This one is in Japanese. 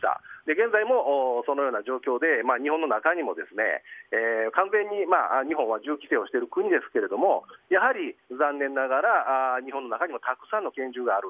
現在もそのような状況で日本の中にも完全に日本は銃規制をしている国ですがやはり残念ながら日本の中にもたくさんの拳銃がある。